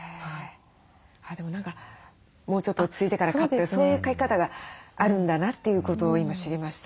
あでも何かもうちょっと落ち着いてから飼ってそういう飼い方があるんだなということを今知りました。